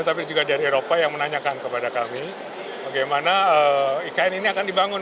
tapi juga dari eropa yang menanyakan kepada kami bagaimana ikn ini akan dibangun